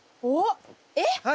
おっ！